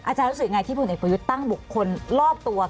อาจารย์รู้สึกยังไงที่ผู้นายผู้ยุทธ์ตั้งบุคคลรอบตัว